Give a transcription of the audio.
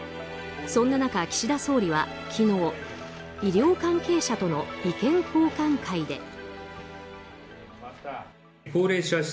そんな中、岸田総理は昨日医療関係者との意見交換会で。